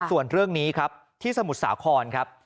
ส่วนเรื่องนี้ครับที่สมุทรสาครครับ